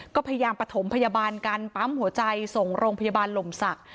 ก็พยายามประถมพยาบาลกันปั๊มหัวใจส่งโรงพยาบาลลมศักดิ